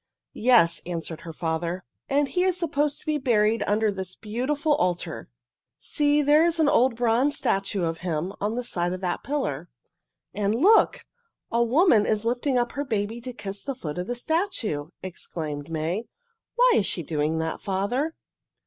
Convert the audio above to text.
"Yes," answered her father. "And he is supposed to be buried under this beautiful altar. See, there is an old bronze statue of him on the side of that pillar." "And look! A woman is lifting up her baby to kiss the foot of the statue!" exclaimed May. "Why is she doing that, father?"